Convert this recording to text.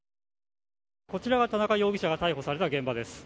こちらが田中容疑者が逮捕された現場です。